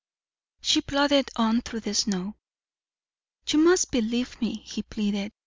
She plodded on through the snow. "You must believe," he pleaded.